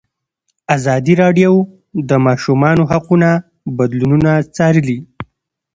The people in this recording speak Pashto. ازادي راډیو د د ماشومانو حقونه بدلونونه څارلي.